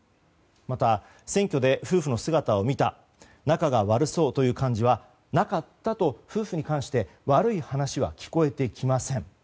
また、選挙で夫婦の姿を見た仲が悪そうという感じはなかったと、夫婦に関して悪い話は聞こえてきません。